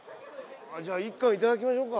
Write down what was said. じゃあ１貫いただきましょうか？